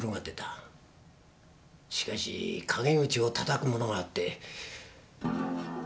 しかし陰口を叩く者があって。